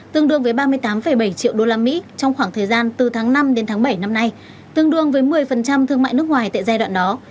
tương đương với ba mươi tám bảy triệu usd trong khoảng thời gian từ tháng năm đến tháng bảy năm nay tương đương với một mươi thương mại nước ngoài tại giai đoạn đó